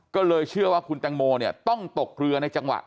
ก็เลยเชื่อว่าคุณแตงโมเนี่ยต้องตกเรือในจังหวะ